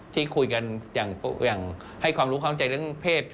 ที่คุยกันอย่างให้ความรู้ข้องใจเรื่องเพศ